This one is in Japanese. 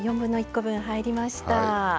コ分入りました。